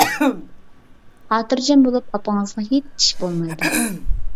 خاتىرجەم بولۇپ، ئاپىڭىزغا ھېچ ئىش بولمايدۇ.